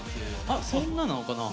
あっそんななのかな？